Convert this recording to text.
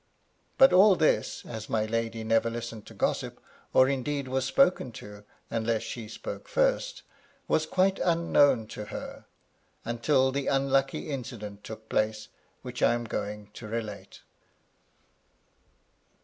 But all this— as my lady never listened to gossip, or indeed, was spoken to unless she spoke first — ^was quite unknown to her, until the unlucky incident took place which I am going to relate.